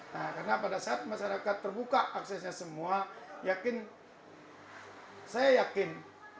karena pada saat masyarakat terbuka aksesnya semua yakin saya yakin